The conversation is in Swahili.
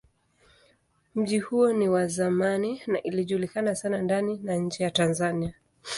Mji huo ni wa zamani na ilijulikana sana ndani na nje ya Tanzania.